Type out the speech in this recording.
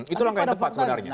itu langkah yang tepat sebenarnya